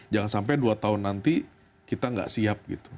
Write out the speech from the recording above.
jangan sampai dua tahun nanti kita nggak siap gitu